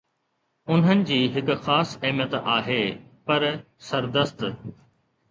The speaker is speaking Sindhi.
انهن جي هڪ خاص اهميت آهي، پر سردست